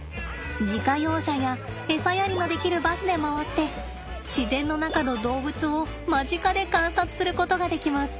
自家用車やエサやりのできるバスで回って自然の中の動物を間近で観察することができます。